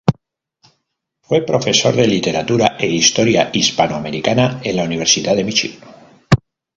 Fue profesor de Literatura e Historia Hispanoamericana en la Universidad de Míchigan.